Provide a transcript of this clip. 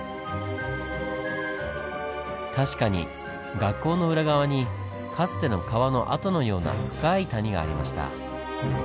確かに学校の裏側にかつての川の跡のような深い谷がありました。